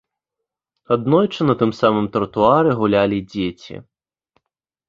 Аднойчы на тым самым тратуары гулялі дзеці.